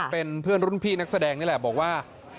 เป็นเพื่อนรุ่นพี่นักแสดงนี่แหละบอกว่า